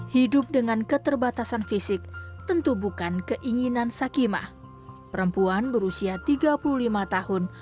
hidup dengan keterbatasan fisik tentu bukan keinginan sakimah perempuan berusia tiga puluh lima tahun